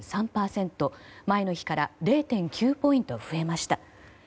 前の日から０．９ポイント増えました。